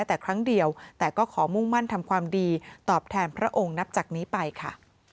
แต่ก็ขอมุ่งมั่นทำความดีตอบแทนพระองค์นับจากนี้ไปค่ะ